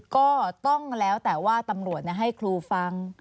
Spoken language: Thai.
ก็ต้องแล้วแต่ว่าตำรวจให้ครูฟัง